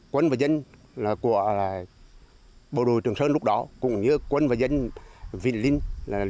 quân và dân của bộ đội trường sơn lúc đó cũng như quân và dân vì linh